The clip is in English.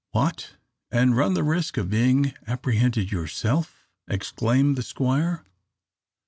"What, and run the risk of being apprehended yourself?" exclaimed the Squire.